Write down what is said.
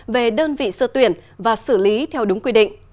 về đơn vị sơ tuyển và xử lý theo đúng quy định